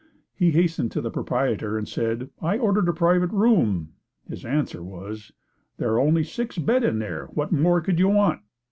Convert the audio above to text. He hastened to the proprietor and said, "I ordered a private room." His answer was, "There are only six beds in there, what more could you want?"